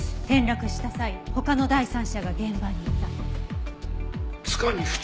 転落した際他の第三者が現場にいた？